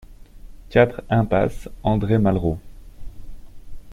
quatre impasse André Malraux